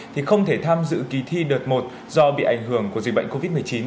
thì không thể tham dự kỳ thi đợt một do bị ảnh hưởng của dịch bệnh covid một mươi chín